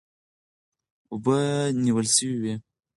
اوبه نیول سوې وې.